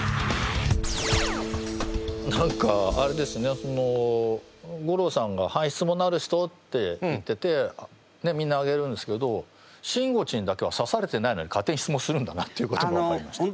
何かあれですね吾郎さんが「はい質問のある人」って言って手みんな挙げるんですけどしんごちんだけは指されてないのに勝手に質問するんだなっていうことが分かりました。